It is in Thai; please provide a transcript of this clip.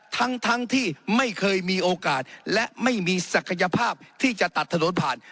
ทั้งที่ไม่เคยมีโอกาสและไม่มีศักยภาพที่จะตัดถนนผ่าน